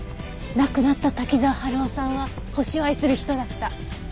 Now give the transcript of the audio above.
亡くなった滝沢春夫さんは星を愛する人だった。